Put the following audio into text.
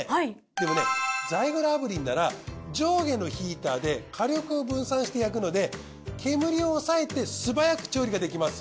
でもねザイグル炙輪なら上下のヒーターで火力を分散して焼くので煙を抑えて素早く調理ができます。